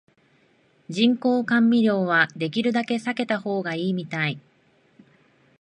人工甘味料はできるだけ避けた方がいいみたい